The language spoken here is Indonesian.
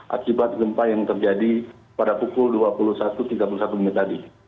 akibat gempa yang terjadi pada pukul dua puluh satu tiga puluh satu menit tadi